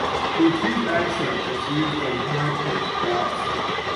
The acute accent is used on high-pitch vowels.